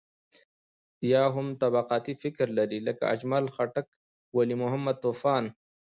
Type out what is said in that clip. يا هم طبقاتي فکر لري لکه اجمل خټک، ولي محمد طوفان.